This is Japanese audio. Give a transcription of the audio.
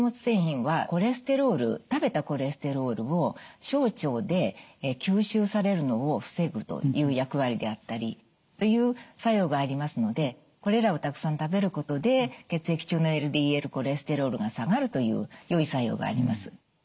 繊維はコレステロール食べたコレステロールを小腸で吸収されるのを防ぐという役割であったりという作用がありますのでこれらをたくさん食べることで血液中のＬＤＬコレステロールが下がるというよい作用があります。